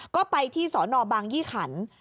ก็ไปที่สนบางยี่ขัน